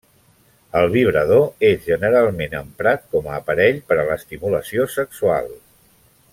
El vibrador és generalment emprat com a aparell per a l'estimulació sexual.